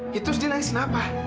ya terus dia nangis kenapa